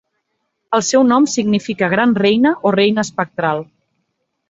El seu nom significa 'Gran Reina' o 'Reina Espectral'.